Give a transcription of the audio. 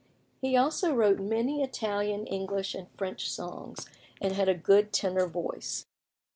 He also wrote many Italian, English, and French songs, and had a good tenor voice.